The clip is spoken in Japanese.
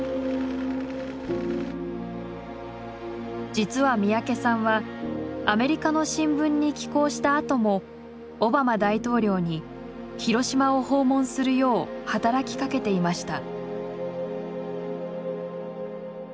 実は三宅さんはアメリカの新聞に寄稿したあともオバマ大統領に広島を訪問するよう働きかけていました。